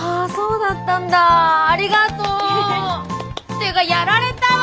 ていうかやられたわ！